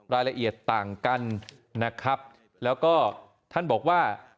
รายละเอียดต่างกันนะครับแล้วก็ท่านบอกว่า